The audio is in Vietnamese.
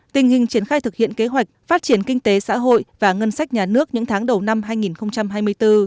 tình hình triển khai thực hiện kế hoạch phát triển kinh tế xã hội và ngân sách nhà nước những tháng đầu năm hai nghìn hai mươi bốn